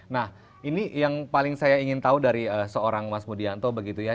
nah ini yang paling saya ingin tahu dari seorang mas mudianto begitu ya